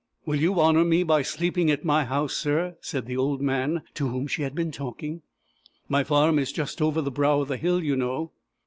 "Will you honour me by sleeping at my house, sir?" said the old man to whom she had been talking. "My farm is just over the brow of the hill, you know."